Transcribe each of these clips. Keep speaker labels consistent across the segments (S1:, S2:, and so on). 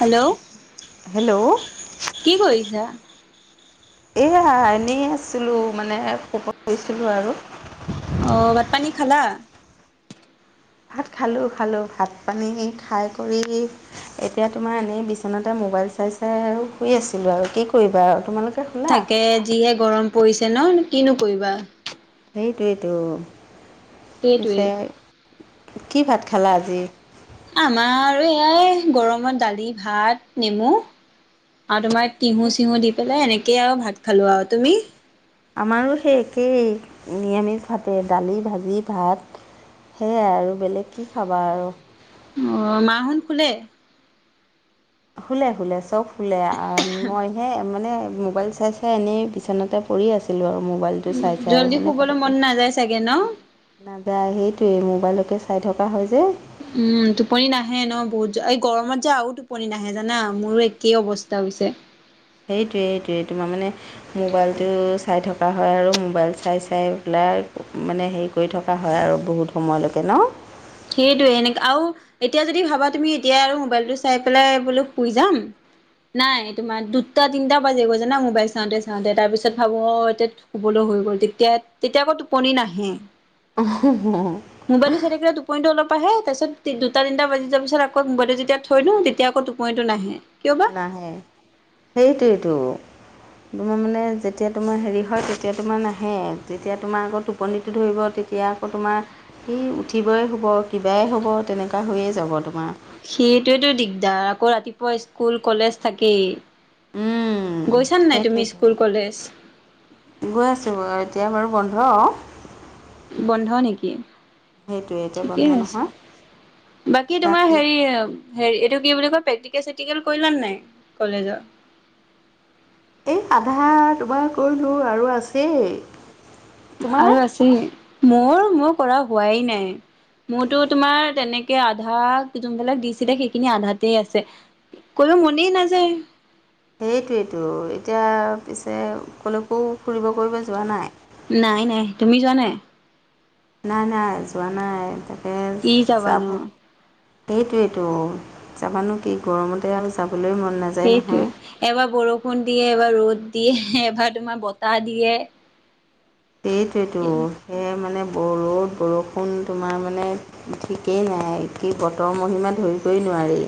S1: Hello
S2: hello
S1: কি কৰিছা?
S2: এইয়া এনেই আছিলোঁ মানে শুব লৈছিলোঁ আৰু।
S1: অ' ভাত পানী খালা?
S2: ভাত খালোঁ খালোঁ, ভাত পানী খাই কৰি এতিয়া তোমাৰ এনেই বিচনাতে মোবাইল চাই চাই আৰু শুই আছিলো আৰু কি কৰিবা আৰু। তোমালোকে? শুলা
S1: তাকে যিহে গৰম পৰিছে ন কিনো কৰিবা।
S2: সেইটোৱেটো,
S1: সেইটোৱে।
S2: পিছে কি ভাত খালা আজি?
S1: আমাৰ আৰু এয়াই গৰমত দালি ভাত নেমু। আৰু তোমাৰ টিহু চিহু দি পেলাই এনেকৈয়ে আৰু ভাত খালো আৰু। তুমি?
S2: আমাৰো সেই একেই নিৰামিষ ভাৱে দালি, ভাজি, ভাত। সেয়াই আৰু বেলেগ কি খাবা আৰু।
S1: অঁ মাহঁত শুলে?
S2: শুলে শুলে চব শুলে, মইহে মানে মোবাইল চাই চাই এনেই বিচনাতে পৰি আছিলোঁ আৰু মোবাইলটো চাই চাই আৰু
S1: জল্দি
S2: মানে
S1: শুবলৈ মন
S2: পটককৈ
S1: নাযায় চাগে ন?
S2: নাযায় সেইটোৱে মোবাইলকে চাই থকা হয় যে।
S1: উম টোপনি নাহে ন বহুত এই গৰমত যে আৰু টোপনি নাহে জানা মোৰো একেই অৱস্থা হৈছে।
S2: সেইটোৱে সেইটোৱে তোমাৰ মানে মোবাইলটো চাই থকা হয় আৰু মোবাইল চাই চাই পেলাই মানে হেৰি কৰি থকা হয় আৰু বহুত সময়লৈকে ন?
S1: সেইটোৱে এনে আৰু এতিয়া যদি ভাবা তুমি এতিয়া আৰু মোবাইলটো চাই পেলাই বোলো শুই যাম নাই তোমাৰ দুটা তিনিটা বাজে গৈ জানা মোৰ মোবাইল চাওঁতে চাওঁতে তাৰপিছত ভাবোঁ অ' এতিয়া শুবলৈ হৈ গ'ল তেতিয়া তেতিয়া আকৌ টোপনি নাহে। মোবাইলটো চাই থাকিলে টো পনিটো অলপ আহে তাৰ পিছত দুটা তিনিটা বাজি যোৱাৰ পিছত আকৌ মোবাইলটো যেতিয়া থৈ দিও তেতিয়া আকৌ টোপনিটো নাহে। কিয় বা
S2: নাহে সেইটোৱেটো। তোমাৰ মানে যেতিয়া তোমাৰ হেৰি হয় তেতিয়া তোমাৰ নাহে যেতিয়া তোমাৰ আকৌ টোপনিটো ধৰিব তেতিয়া আকৌ তোমাৰ সেই উঠিবই হ'ব কিবাই হ'ব তেনেকুৱা হৈয়ে যাব তোমাৰ।
S1: সেইটোৱেতো দিগদাৰ আকৌ ৰাতিপুৱা স্কুল, কলেজ থাকেই। গৈছানে নাই তুমি
S2: সেইটোৱেতো
S1: স্কুল কলেজ?
S2: গৈ আছোঁ বাৰু এতিয়া বাৰু বন্ধ।
S1: বন্ধ নেকি?
S2: সেইটোৱে এতিয়া বন্ধ
S1: ঠিকেই আছে।
S2: নহয়
S1: বাকী তোমাৰ হেৰি হেৰি এইটো কি বুলি কয় প্ৰেক্টিকেল চে্টিকেল কৰিলা নে নাই কলেজৰ?
S2: এই আধা তোমাৰ কৰিলোঁ আৰু আছেই। তোমাৰ
S1: আৰু আছেই, মোৰ মোৰ কৰা হোৱাই নাই। মোৰতো তোমাৰ তেনেকে আধা যোনবিলাক দিছিলে সেইখিনি আধাতেই আছে। কৰিব মনেই নাযায়।
S2: সেইটোৱেইটো, এতিয়া পিছে কলৈকো ফুৰিব কৰিব যোৱা নাই?
S1: নাই নাই, তুমি যোৱা নাই?
S2: নাই নাই যোৱা নাই তাকে
S1: কি
S2: যাব
S1: যাবানো।
S2: সেইটোৱেইটো, যাবানো কি গৰমতে আৰু যাবলৈ মন নাযায়।
S1: সেইটোৱে,
S2: নহয়
S1: এবাৰ বৰষুণ দিয়ে, এবাৰ ৰ'দ দিয়ে, এবাৰ তোমাৰ বতাহ দিয়ে।
S2: সেইটোৱেতো, সেই মানে ৰ'দ বৰষুণ তোমাৰ মানে ঠিকেই নাই, কি বতৰৰ মহিমা ধৰিবই নোৱাৰি।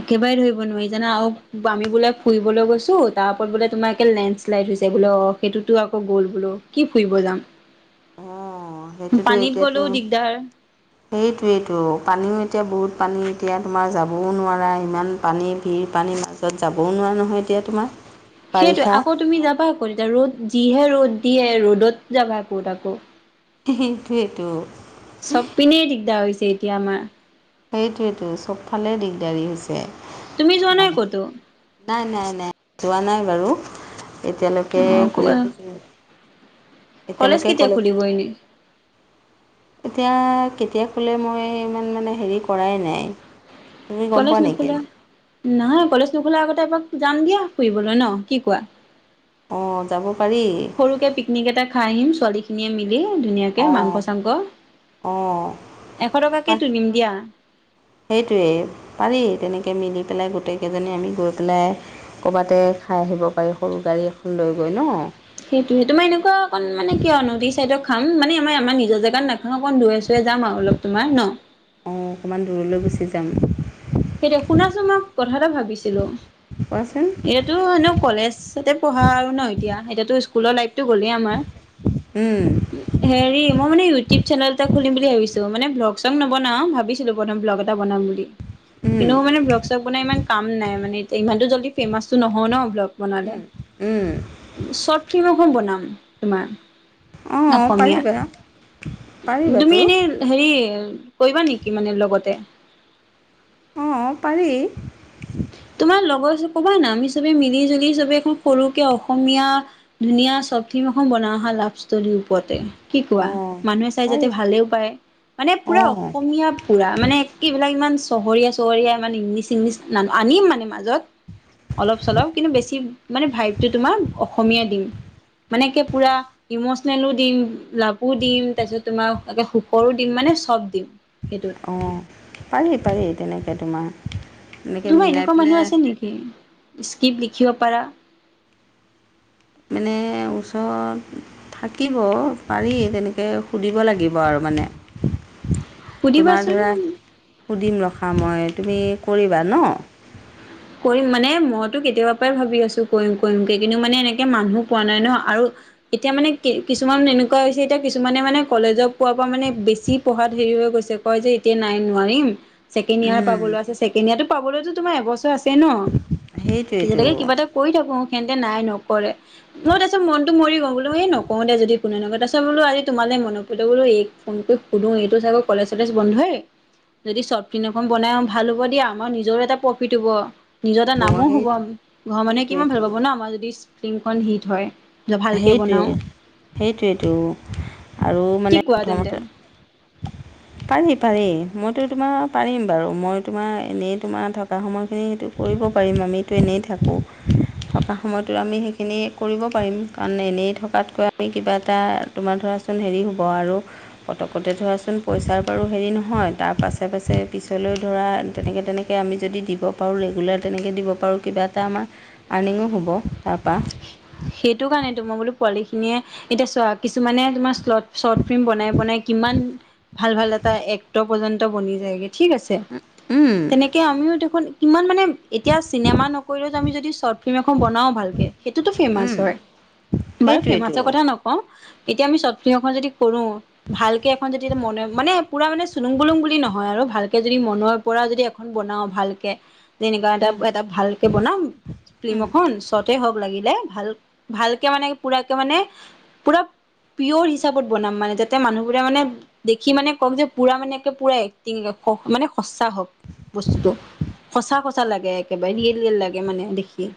S1: একেবাৰে ধৰিব নোৱাৰি জানা আৰু আমি বোলে ফুৰিবলৈ গৈছোঁ তাৰ ওপৰত বোলে তোমাৰ একে লেঞ্চ [unintelligible] বোলে অঁ' সেইটোতো আকৌ গ'ল বোলো কি ফুৰিব যাম।
S2: অঁ।
S1: পানীত গলেও দিগদাৰ।
S2: সেইটোৱেইতো, পানীও এতিয়া বহুত পানী এতিয়া তোমাৰ যাবও নোৱাৰা ইমান পানী ভিৰ পানী নাজ য'ত যাবও নোৱাৰা নহয় এতিয়া তোমাৰ।
S1: [inaudible] সেইটোৱেই,
S2: বাৰিষা
S1: আকৌ তুমি যাবা আকৌ তেতিয়া ৰ'দ যিহে ৰ'দ দিয়ে ৰ'দত যাবা আকৌ আকৌ।
S2: সেইটোৱেতো।
S1: চ'ব পিনে দিগদাৰ হৈছে এতিয়া আমাৰ।
S2: সেইটোৱেইটো, চ'বফালে দিগদাৰী হৈছে।
S1: তুমি যোৱা নাই
S2: মানে
S1: ক'তো?
S2: নাই নাই নাই যোৱা নাই বাৰু এতিয়ালৈকে
S1: অ'
S2: কলৈকো
S1: কলেজ
S2: এতিয়ালৈকে
S1: কেতিয়া
S2: ক'লৈকো-
S1: খুলিব [inaudible]
S2: এতিয়া কেতিয়া খোলে মই ইমান মানে হেৰি কৰাই নাই। তুমি গম
S1: কলেজ
S2: পোৱা নেকি
S1: নোখোলা, নহয় কলেজ নোখোলা আগতে এপাক যাম দিয়া ফুৰিবলৈ ন' কি কোৱা?
S2: অঁ' যাব পাৰি।
S1: সৰুকে পিকনিক এটা খাই আহিম ছোৱালী খিনিয়ে মিলি ধুনীয়াকে-
S2: অঁ
S1: মাংস চাংস,
S2: অঁ
S1: এশ টকাকে তুলিম দিয়া।
S2: সেইটোৱেই, পাৰি তেনেকৈ মিলি পেলাই গোটেইকেইজনী আমি গৈ পেলাই- ক'ৰবাতে খাই আহিব পাৰি সৰু গাড়ী এখন লৈ গৈ ন'।
S1: সেইটোয়ে, তোমাৰ এনেকুৱা অকন মানে কিয় নদী চাইডত খাম মানে আমাৰ-আমাৰ নিজৰ জেগাত না অকণ ধূৰে-চুৰে যাম আৰু অলপ তোমাৰ ন'।
S2: অঁ অকণমান দূৰলৈ গুচি যাম।
S1: সেইটোয়ে, শুনাচোন [unintelligible] কথা এটা ভাবিছিলো,
S2: কোৱাচোন
S1: ইয়াত টো এনেই কলেজতে পঢ়া আৰু ন' এতিয়া এতিয়াতো স্কুলৰ লাইফ টো গ'লে আমাৰ। হেৰি মই মানে ইউটিউব চেনেল এটা খুলিম বুলি ভাবিছোঁ মানে ভ্লগ চগ নবনাওঁ, ভাবিছিলো বনাম ব্লগ এটা বনাম বুলি। কিন্তু মানে ব্লগ চ্গ বনাই ইমান কাম নাই মানে এ ইমানো জল্দি ফেমাচটো নহয় ন। ব্লগ বনালে চৰ্ট ফিল্ম এখনো বনাম তোমাৰ।
S2: অঁ
S1: অ, অসমীয়া
S2: পাৰিবা
S1: তুমি
S2: পাৰিবাতো
S1: এনেই হেৰি কৰিবা নেকি মানে লগতে,
S2: অ, পাৰি।
S1: তোমাৰ লগৰ ক'বা না আমি চবে মিলি জুলি চবে এখন সৰুকে অসমীয়া ধুনীয়া চবখিম এখন বনাই অহা লাভস্থলীৰ ওপৰতে কি কোৱা?
S2: অ',
S1: মানুহে চাই
S2: পাৰি
S1: যাতে ভালেও পায়। মানে পুৰা
S2: অ',
S1: অসমীয়া পুৰা মানে একেবিলাক ইমান চহৰীয়া চহৰীয়া মানে ইংলিছ-ইংলিছ, নানো আনিম মানে মাজত অলপ চলপ কিন্তু বেছি, মানে ভাইটো তোমাৰ অসমীয়া দিম। মানেে পুৰা ইমচনেলো দিম, লাভো দিম তাৰপিছত তোমাকে সুখৰো দিম মানে চব দিম। সেইটো।
S2: অ, পাৰি-পাৰি তেনেকৈ তোমাৰ। এনেকে
S1: তোমাৰ
S2: মিলাই
S1: এনেকুৱা মানুহ
S2: পেলাই
S1: আছে নেকি স্ক্ৰিপট লিখিব পাৰা?
S2: মানে ওচৰত, থাকিব পাৰি তেনেকৈ সুধিব লাগিব আৰু মানে।
S1: [unintelligible]
S2: তোমাৰ ধৰা সুধিম ৰখা মই তুমি কৰিবা ন।
S1: কৰিম মানে মইতো কেতিয়াবা পৰাই ভাবি আছো কৰিম-কৰিম কিন্তু মানে এনেকে মানুহ পোৱা নাই ন আৰু। এতিয়া মানে কি কিছুমান এনেকুৱা হৈছে এতিয়া কিছুমানে মানে কলেজক পোৱাৰ পৰা মানে বেছি পঢ়াত হেৰি হৈ গৈছে। যে এতিয়া নাই নোৱাৰিম ছেকেণ্ড ইয়াৰৰ
S2: উম,
S1: পাবলৈ আছে ছেকেণ্ড ইয়াৰ টো পাবলৈতো তোমাৰ এবছৰ আছে। ন
S2: সেইটোৱেইটো
S1: তেতিয়ালৈকে কিবা এটা কৰি থাকো সেহতে নাই নকৰে। মই তাৰিছত মনটো মৰি গওঁ বলো এই নকওঁ দে যদিনে নকয় তাৰপছত বল আজি তোমাল মনতো বোলো এই, ফোন কৰি সুধো এইটো চাগৰ কলেজ চলেজ বন্ধই। যদি চৰ্টফিন এখন বনাই ভাল হ'ব দিয়া আমাৰ নিজৰো এটা প্ৰফিট হ'ব। নিজৰ এটা নামো হ'ব ঘৰৰ মানুহে কি মমান ভাল
S2: সেইটোৱেইটো
S1: পাব ন আমাৰ যদি ফিলিমখন হিট হয়। ভালকে বনাও
S2: সেইটোৱে-সেইটোৱে আৰু
S1: কি
S2: মানে
S1: কোৱা তেন্তে
S2: প্ৰথমতে
S1: [unintelligible]
S2: পাৰি পাৰি মইতো তোমাৰ পাৰিম বাৰু মই তোমাৰ এনেই তোমাৰ থকা সময়খিনি সেইটো, কৰিব পাৰিম আমিতো এনেই থাকোঁ থকা সময়তো আমি সেইখিনি কৰিব পাৰিম। কাৰণ এনেই থকাতকৈ আমি কিবা এটা তোমাৰ ধৰাচোন হেৰি হ'ব আৰু। পতকতে ধৰাচোন পইচাৰ বাৰু হেৰি নহয় তাৰ পাছে পাছে পিছলৈ ধৰা তেনেকে-তেনেকে, আমি যদি দিব পাৰোঁ ৰেগুলাৰ তেনেকৈ দিব পাৰোঁ কিবা এটা আমাৰ আৰ্নিঙো হ'ব তাৰপৰা।
S1: সেইটো কাৰণে তোমাৰ বোলো পোৱালি খিনিয়ে এতিয়া কিছুমানে তোমাৰ শৰ্ট ফিল্ম বনাই বনাই কিমান ভাল ভাল এটা এক্ট পৰ্যন্ত বনি যায়গে, ঠিক আছে।
S2: উম, উম,
S1: তেনেকে আমিও দেখোন কিমান মানে, এতিয়া চিনেমা নকৰিলেও আমি যদি চৰ্ট ফিল্ম এখন বনাও ভালকে, সেইটো তো ফেমাচ
S2: উম,
S1: হয়। বাৰু
S2: সেইটোৱেতো
S1: ফেমাচৰ কথা নকওঁ, এতিয়া আমি চৰ্ট ফিল্ম এখন যদি কৰোঁ। ভালকে এখন যদি মনে মানে, পুৰা মানে চুলুং-বুলুং বুলি নহয় আৰু ভালকে যদি মনৰ পৰা যদি এখন বনাও ভালকে, তেনেকুৱা এটা, এটা ভালকে বনাম ফিল্ম এখন। চৰ্টে হওঁক লাগিলে। ভাল ভালকে মানে, পুৰাকে মানে, পুৰা পিয়ৰ হিচাপত বনাম মানে, যাতে মানুহবোৰে মানে দেখি মানে কম যে পুৰা মানে পুৰা এক্টিং ক মানে সচা হওঁক বস্তুটো। সঁচা সঁচা লাগে একেবাৰে ৰিয়েল ৰিয়েল লাগে মানে দেখি।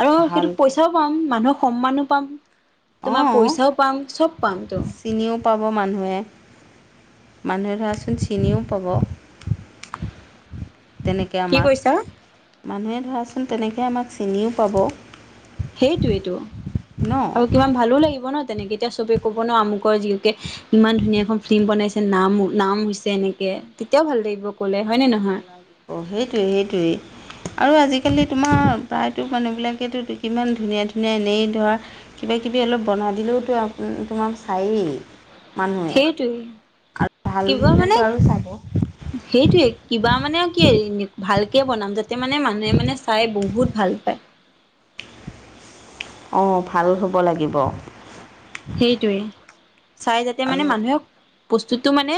S1: আৰু সেইটোত
S2: ভালকৈ
S1: পইচাও পাম, মানুহৰ সন্মানো পাম। তোমাৰ
S2: অঁ
S1: পইচাও পাম, চব পাম তো।
S2: চিনিও পাব মানুহে। মানুহে ধৰাচোন চিনিও পাব। তেনেকৈ
S1: কি
S2: আমাক
S1: কৈছা
S2: মানুহে ধৰাচোন তেনেকৈ আমাক চিনিও পাব।
S1: সেইটোৱে টো।
S2: ন
S1: আৰু কিমান ভালো লাগিব ন, তেনেকে এতিয়া চবে ক'ব ন আমুকৰ জীয়েকে ইমান ধুনীয়া এখন ফিল্ম বনাইছে নামো, নাম হৈছে এনেকে, তেতিয়াও ভাল লাগিব। ক'লে হয় নে নহয়
S2: সেইটোৱে, সেইটোৱে। আৰু আজিকালি তোমাৰ প্ৰায়তো মানুহ বিলাকেতো তো কিমান ধুনীয়া ধুনীয়া এনেই ধৰা কিবা কিবি অলপ বনাই দিলেওতো আপুন তোমাক চায়েই। মানুহে
S1: সেইটোৱে
S2: আৰু ভাল
S1: কিবা মানে
S2: হ'লেতো আৰু চাব
S1: সেইটোৱে, কিবা মানে আৰু কি? ভালকে বনাম যাত তে মানে, মানুহে মানে চাই বহুত ভাল পায়।
S2: অ ভাল হ'ব লাগিব।
S1: সেইটোৱে। চাই যাতে মানে
S2: আৰু
S1: মানুহে বস্তুটো মানে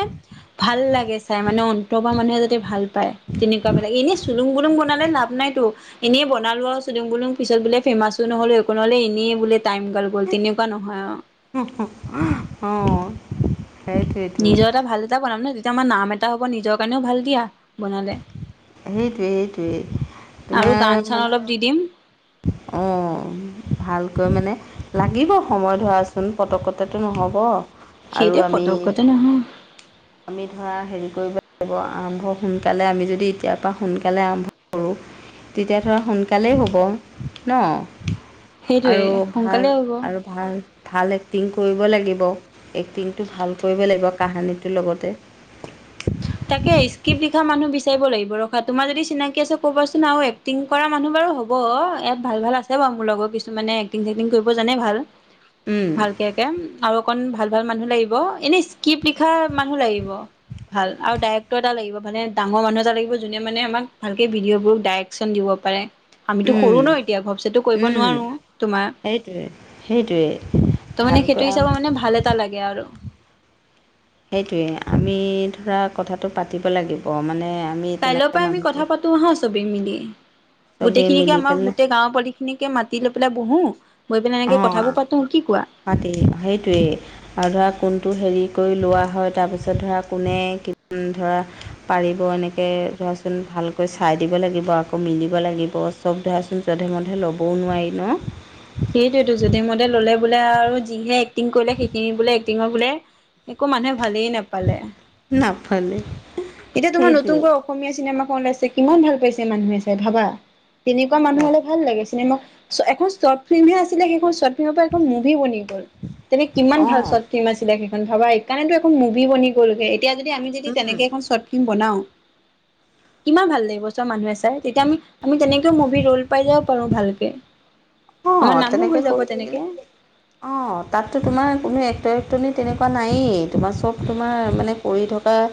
S1: ভাল লাগে চাই মানে অন্তৰৰ পা মানুহে যদি ভাল পায়। তেনেকুৱা বিলাক। এনেই চুলুং বুলুং বনালে লাভ নাই তো। এনেই বনালো আৰু চুলুং বুলুং। পিছত বোলে ফেমাচো নহ'লো একো নহ'লে এনেই বোলে টাইম গাল গ'ল তেনেকুৱা নহয় আৰু।
S2: অ
S1: নিজৰ এটা ভাল এটা বনাম নহয়, তেতিয়া আমাৰ নাম এটা হ'ব। নিজৰ কাৰণেও ভাল দিয়া বনালে।
S2: সেইটোৱে, সেইটোৱে।
S1: আৰু গান
S2: তোমাৰ
S1: চান
S2: মানে
S1: অলপ দি দিম।
S2: উম ভালকৈ মানে, লাগিব সময় ধৰাচোন পতকতে টো নহ'ব। আৰু
S1: সেইটো
S2: আমি
S1: পতকতে নহয়।
S2: আমি ধৰা হেৰি কৰিব লাগিব। আৰম্ভ সোনকালে আমি যদি এতিয়াৰ পৰা সোনকালে আৰম্ভ কৰোঁ। তেতিয়া ধৰা সোনকালেই হ'ব ন!
S1: সেইটোৱে
S2: আৰু
S1: সোনকালে
S2: ভাল
S1: হ'ব
S2: আৰু ভাল, ভাল এক্টিং কৰিব লাগিব। এক্টিংটো ভাল কৰিব লাগিব কাহিনীত। তোৰ লগতে
S1: তাকে, স্ক্ৰিপ্ট লিখা মানুহ বিচাৰিব লাগিব। ৰখা তোমাৰ যদি চিনাকি আছে ক'বাচোন আৰু এক টিং কৰা মানুহ বাৰু হ'ব। ইয়াত ভাল ভাল আছে বাৰু মোৰ লগত কিছুমানে এক্টিং চেক্টিং কৰিব জানে ভাল।
S2: উম
S1: ভালকে কে আৰু অকন ভাল ভাল মানুহ লাগিব। এনেই ক্ৰিপ্ট লিখা মানুহ লাগিব। ভাল আৰু ডাইৰেক্টৰ এটা লাগিব। মানে, ডাঙৰ মানুহ এটা লাগিব যোনে মানে আমাক ভালকে ভিডিঅ'বোৰ ডাইৰেকশ্বন দিব পাৰে। আমিতো
S2: উম
S1: সৰু ন এতিয়া। ঘপছে তো কৰিব
S2: উম
S1: নোৱাৰো তোমাৰ।
S2: সেইটোৱে সেইটোৱে
S1: ত মানে,
S2: ভালকৈ
S1: সেইটো
S2: আৰম্ভ
S1: হিচাপে মানে ভাল এটা লাগে আৰু।
S2: সেইটোৱে। আমি ধৰা, কথাটো পাতিব লাগিব। মানে আমি
S1: কাইলৈৰ
S2: তেনেকৈ
S1: পৰাই আমি
S2: মানুহটো
S1: কথা পাতো আহা চবেই মিলি।
S2: চবেই
S1: গোটেইখিনিকে
S2: মিলি
S1: আমাৰ
S2: পেলাই
S1: গোটেই গাঁৱৰ পোৱালি খিনিকে মাতি লৈ পেলাই বহো বহি পেলাই এনেকে
S2: অঁ
S1: কথাবোৰ পাতো কি কোৱা
S2: পাতি সেইটোৱে আৰু ধৰা কোনটো হেৰি কৰি লোৱা হয় তাৰপিছত ধৰা কোনে ধৰা পাৰিব এনেকৈ ধৰাচোন ভালকৈ চাই দিব লাগিব আকৌ মিলিব লাগিব শব্দাচোন যধে মধে ল'বও নোৱাৰি ন?
S1: সেইটোয়েতো যধে মধে ল'লে বোলে আও যিহে এক্টিং কৰিলে সেইখিনি বোলে টিঙৰ বোলে একো মানুহে ভালেই নাপা পালে।
S2: নাপালে
S1: এতিয়া তোমাৰ
S2: সেইটোৱে
S1: নতুনকৈ অ সমীয়া চিনেমা খন ওলাইছে, কিমান ভাল পাইছে মানুহে চাই ভাবা। তেনেকুৱা মানুহ
S2: অঁ
S1: হ'লে ভাল লাগে, চিনেমা শ এখন শৰ্ট ফিল্মহে আছিলে সেইখন শৰ্ট ফিল্মৰ পৰা এখন মুভি বনি গ'ল তেনে কিমান ভাল
S2: অঁ
S1: চ ফিম আছিলে সেইখন ভবা সেইকাৰণেটো এইখন মুভি বনি গ'ল। তেতিয়া যদি, আমি যদি তেনেকে এখন শ্বৰ্ট ফিল্ম বনাওঁ কিমান ভাল লাগিব চোৱা মানুহে চাই, তেতিয়া আমি, আমি তেনেকেও মুভি ৰোল পাই যাব পাৰো ভালকে। আমাৰ
S2: অঁ
S1: নামো হৈ
S2: তেনেকে
S1: যাব
S2: কৰি
S1: তেনেকে
S2: থাকিলে [unintelligible] অঁ, তাততো তোমাৰ কোনো এক্টৰ এক্টৰনি তেনেকুৱা নায়েই, তোমাৰ চব তোমাৰ মানে কৰি থক এহ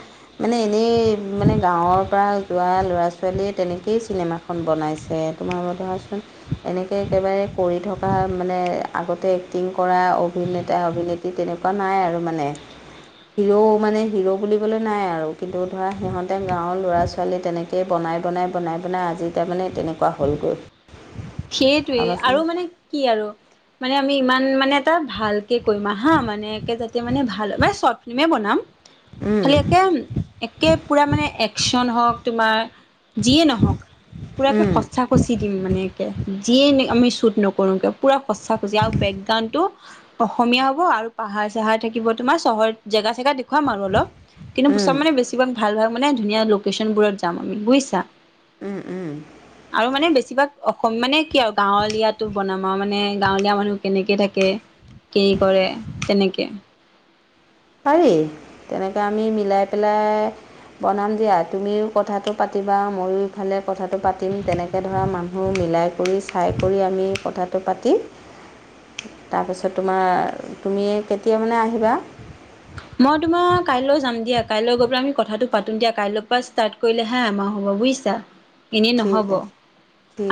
S2: মানে এনেই মানে গাঁৱৰ পৰা যোৱা ল'ৰা ছোৱালীয়ে তেনেকেই চিনেমাখন খন বনাইছে তোমাৰ ম ধৱা চোন এনেকে একেবাৰে কৰি থকা মানে আগতে এক্টিং কৰা অভিনেতা অভিনেত্ৰী তেনেকুৱা নাই আৰু মানে হিৰো' মানে হিৰো' বুলিবলৈ নাই আৰু কিন্তু ধৰা সিহঁতে গাঁৱৰ ল'ৰা ছোৱালীয়ে তেনেকে হে বনাই বনাই, বনাই বনাই, আজি তামানে তেনেকুৱা হ'লগৈ।
S1: সেটোৱেই
S2: ভাবাচোন
S1: আৰু মানে কি আৰু মানে আমি ইমান মানে এটা ভালকে কৰিমা হা মানে একে যাতে মানে ভাল, মানে চৰ্ট ফ্লিমে বনাম। খালি
S2: উম
S1: একেম একে পুৰা মানে একচন হওক তোমাৰ যিয়ে নহওঁক পুৰাকে
S2: উম
S1: সঁচা কচি দিম মানে একে যিয়ে মি আমি শ্বুট নকৰো পুৰা সঁচা সঁচি আৰু বেকগ্ৰাউণ্ডটো অসমীয়া হ'ব আৰু পাহাৰ - চাহাৰ থাকিব তোমাৰ, চহৰত জেগা চেগা দেখুৱাম আৰু অলপ, কিন্তু প
S2: উম
S1: চব মানে বেছ কিমান ভাল ভাল মানে ধুনীয়া লোকেশ্যনবোৰত যাম আমি, বুজিছা?
S2: উম উম।
S1: আৰু মানে বেছিভাগ অসম মানে কি আৰু গাঁৱলীয়াটো বনামাও মানে গাঁৱলীয়া মানুহ কেনেকে থাকে, কি কৰে? তেনেকে।
S2: পাৰি। তেনেকে আমি মিলাই পেলাই বনাম দিয়া, তুমিও কথাটো পাতিবা, ময়ো ইফালে কথাটো পাতিম তেনেকে ধৰা মানুহ মিলাই কৰি চাই কৰি আমি কথাটো পাতি
S1: উ [inaudible]
S2: তাৰপিছত তোমাৰ তুমি কেতিয়া মানে আহিবা?
S1: মই তোমাৰ কাইলৈ যাম দিয়া, কাইলৈ গৈ পেলাই আমি কথাটো পাতো দিয়া কাইলৈ পৰা ষ্টাট কৰিলে হে আমাৰ হ'ব বুজিছা, এনেই
S2: ঠিক
S1: নহ'ব।
S2: আছে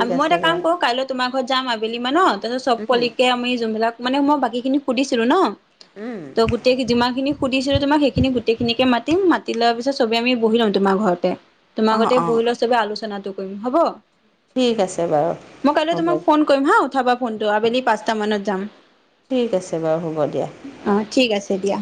S1: আ মই
S2: আছে
S1: এটা কাম
S2: বাৰু
S1: কৰো, কাইলৈ তোমাৰ ঘৰত যাম আবেলি মানত, তাৰপিছত চব
S2: উম,
S1: কলিকে আমি যোনবিলাক মানে মই বাকী খিনি সুধিছিলো ন'
S2: উম।
S1: ত গোটেই যিমান খিনি সুধিছিলো তোমাক সেইখিনি গোটেইখিনিকে মাতিম, মাতি লোৱাৰ পিছত চব আমি বহি ল'ম তোমাৰ ঘৰতে। তোমা
S2: অঁ
S1: ঘতে
S2: অঁ
S1: বহিলৈ চবে আলোচনাটো কৰিম, হব?
S2: ঠিক আছে বাৰু
S1: মই কাইলৈ
S2: হ'ব
S1: তোমাক ফোন কইম হা, উঠাবা ফোনটো। আবেলি পাঁচটা মানত যাম।
S2: ঠিক আছে বাৰু হ'ব দিয়া।
S1: অঁ, ঠিক আছে দিয়া।